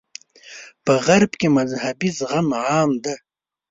په غرب کې مذهبي زغم عام دی.